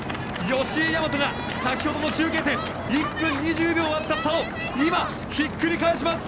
吉居大和が先ほどの中継点１分２０秒あった差を今、ひっくり返します。